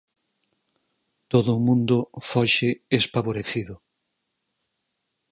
Todo o mundo foxe espavorecido.